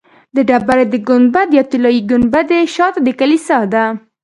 د ډبرې د ګنبد یا طلایي ګنبدې شاته د کلیسا ده.